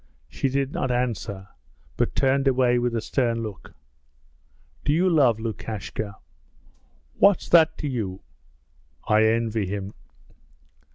She did not answer, but turned away with a stern look. 'Do you love Lukashka?' 'What's that to you?' 'I envy him!'